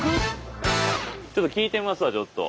ちょっと聞いてみますわちょっと。